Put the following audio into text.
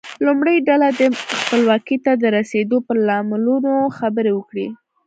لومړۍ ډله دې خپلواکۍ ته د رسیدو پر لاملونو خبرې وکړي.